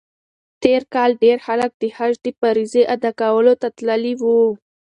تېر کال ډېر خلک د حج د فریضې ادا کولو ته تللي وو.